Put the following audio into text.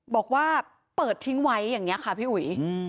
บอกว่าเปิดทิ้งไว้อย่างนี้ค่ะพี่อุ๋ย